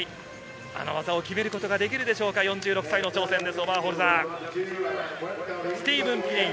あの技を決めることができるでしょうか、４６歳の挑戦です。